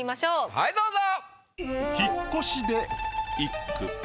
はいどうぞ。